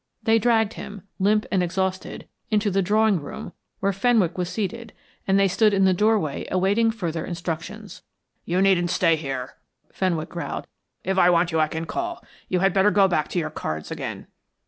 They dragged him, limp and exhausted, into the drawing room where Fenwick was seated and they stood in the doorway awaiting further instructions. "You needn't stay there," Fenwick growled. "If I want you I can call. You had better go back to your cards again."